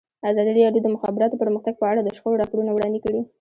ازادي راډیو د د مخابراتو پرمختګ په اړه د شخړو راپورونه وړاندې کړي.